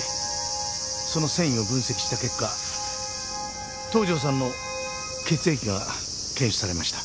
その繊維を分析した結果東条さんの血液が検出されました。